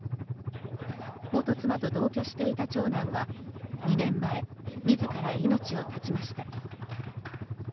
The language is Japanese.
元妻と同居していた長男は２年前自ら命を絶ちました。